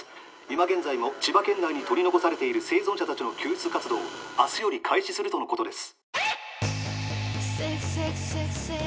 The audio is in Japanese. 今現在も千葉県内に取り残されている生存者たちの救出活動を明日より開始するとのことです。